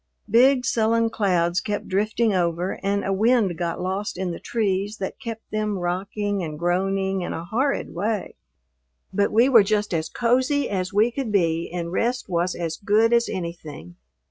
Big sullen clouds kept drifting over and a wind got lost in the trees that kept them rocking and groaning in a horrid way. But we were just as cozy as we could be and rest was as good as anything.